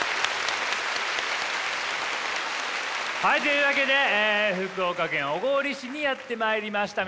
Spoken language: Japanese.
はいというわけで福岡県小郡市にやって参りました。